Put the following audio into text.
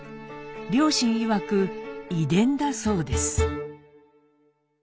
両親いわく遺伝だそうです。